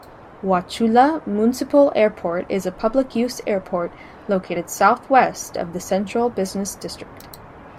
Wauchula Municipal Airport is a public-use airport located southwest of the central business district.